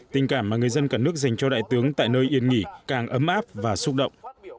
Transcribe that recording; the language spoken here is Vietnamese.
tình cảm mà người dân cả nước dành cho đại tướng tại nơi yên nghỉ càng ấm áp và xúc động